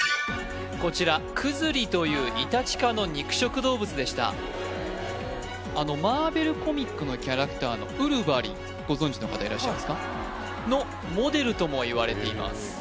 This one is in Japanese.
こちらクズリというイタチ科の肉食動物でしたマーベル・コミックのキャラクターの「ウルヴァリン」ご存じの方いらっしゃいますか？のモデルともいわれています